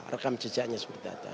rekam jejaknya seperti apa